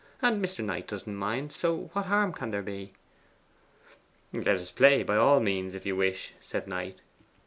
And Mr. Knight doesn't mind. So what harm can there be?' 'Let us play, by all means, if you wish it,' said Knight.